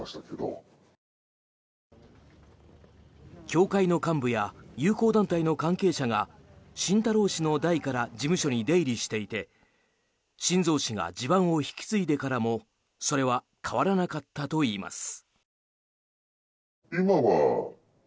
教会の幹部や友好団体の関係者が晋太郎氏の代から事務所に出入りしていて晋三氏が地盤を引き継いでからもそれは変わらなかったといいます。